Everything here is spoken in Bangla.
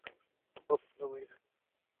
ও ভালো মেয়ে।